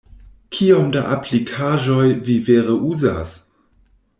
Kiom da aplikaĵoj vi vere uzas?